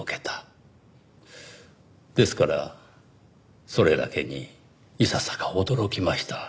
ですからそれだけにいささか驚きました。